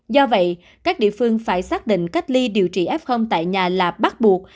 do vậy các địa phương phải xác định cách ly điều trị f tại nhà là bắt buộc